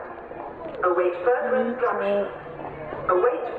徐永泽是中国基督教重生派的创始人之一。